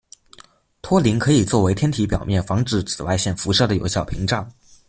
托林可以作为天体表面防止紫外线辐射的有效屏障。